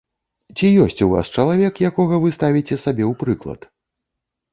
Ці ёсць у вас чалавек, якога вы ставіце сабе ў прыклад?